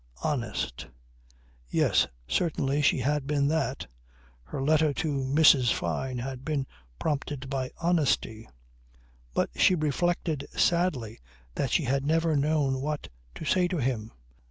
Honest. Yes certainly she had been that. Her letter to Mrs. Fyne had been prompted by honesty. But she reflected sadly that she had never known what to say to him.